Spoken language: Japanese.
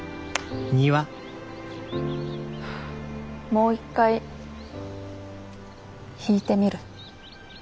・もう一回弾いてみる。